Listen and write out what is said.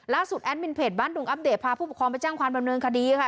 แอดมินเพจบ้านดุงอัปเดตพาผู้ปกครองไปแจ้งความดำเนินคดีค่ะ